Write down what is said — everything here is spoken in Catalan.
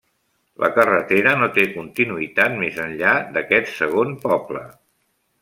La carretera no té continuïtat més enllà d'aquest segon poble.